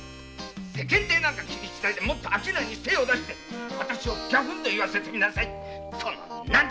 世間体を気にしないで商いに精を出して私をギャフンと言わせてみなさい。